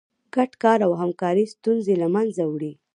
ګډ کار او همکاري ستونزې له منځه وړي.